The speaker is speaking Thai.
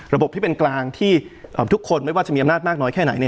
ระบบที่เป็นกลางที่ทุกคนไม่ว่าจะมีอำนาจมากน้อยแค่ไหน